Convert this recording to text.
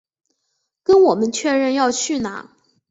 跟我们确认要去哪